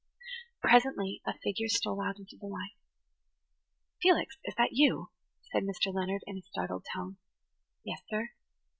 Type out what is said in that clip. Presently a figure stole out into the light. "Felix, is that you?" said Mr. Leonard in a startled tone. "Yes, sir."